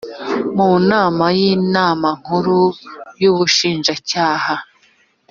mu nama y inama nkuru y ubushinjacyaha